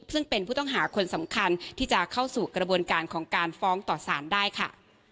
ซึ่งเป็นผู้ต้องหาคนสำคัญที่จะเข้าสู่กระบวนการของการฟ้องต่อสารได้ค่ะ